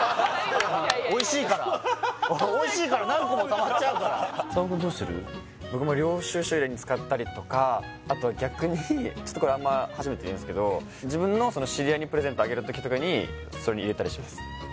おいしいからおいしいから何個もたまっちゃうから佐野くんどうしてる？に使ったりとかあと逆にちょっとこれあんま自分のその知り合いにプレゼントあげるときとかにそれに入れたりします